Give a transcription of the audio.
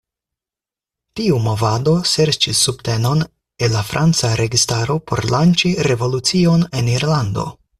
Tiu movado serĉis subtenon el la Franca registaro por lanĉi revolucion en Irlando.